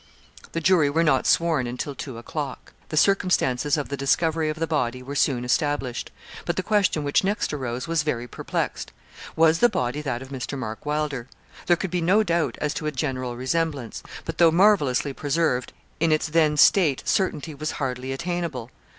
The jury were not sworn until two o'clock. The circumstances of the discovery of the body were soon established. But the question which next arose was very perplexed was the body that of Mr. Mark Wylder? There could be no doubt as to a general resemblance; but, though marvellously preserved, in its then state, certainty was hardly attainable.